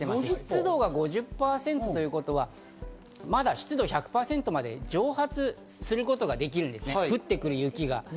湿度が５０％ということはまだ１００％まで蒸発することができるんです、降ってくる雪が。